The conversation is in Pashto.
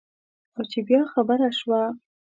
او چې بیا خبره شوه.